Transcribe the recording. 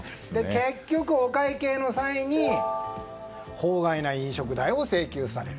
結局、お会計の際に法外な飲食代を請求される。